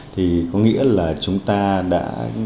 thì có nghĩa là chúng ta đã